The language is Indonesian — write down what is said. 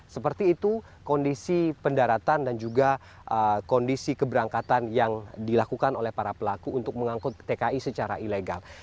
seperti itu kondisi pendaratan dan juga kondisi keberangkatan yang dilakukan oleh para pelaku untuk mengangkut tki secara ilegal